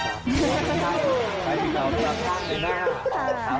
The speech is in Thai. ใช้จริงกลับคั่งในหน้า